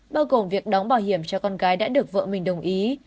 bao gồm việc đóng bảo hiểm cho con gái đã được vợ mình đồng ý